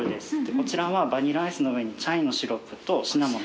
こちらはバニラアイスの上にチャイのシロップとシナモン。